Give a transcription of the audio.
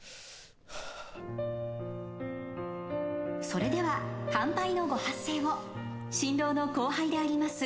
それでは乾杯のご発声を新郎の後輩であります